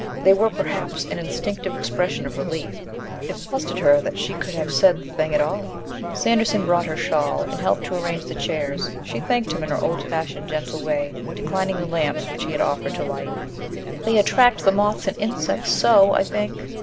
They were, perhaps, an instinctive expression of relief. It flustered her that she could have said the thing at all. Sanderson brought her shawl and helped to arrange the chairs; she thanked him in her old fashioned, gentle way, declining the lamps which he had offered to light. "They attract the moths and insects so, I think!"